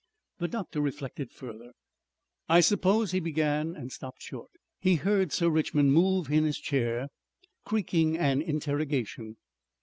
The doctor reflected further. "I suppose," he began and stopped short. He heard Sir Richmond move in his chair, creaking an interrogation.